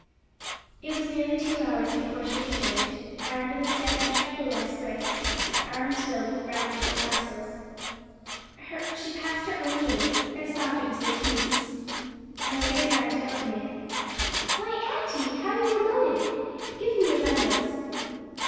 It was nearly two hours before she returned, with a step a trifle less brisk, and arms filled with brown paper parcels. She passed her own gate and stopped at Mr. Keith's. Mildred ran to open it. "Why, auntie, how you are loaded! Give me your bundles."